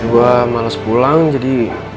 gue males pulang jadi